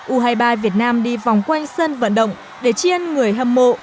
u hai mươi ba việt nam đi vòng quanh sân vận động để chiên người hâm mộ